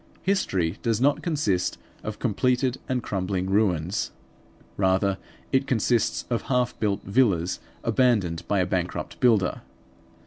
History does not consist of completed and crumbling ruins; rather it consists of half built villas abandoned by a bankrupt builder.